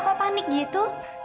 kok panik gitu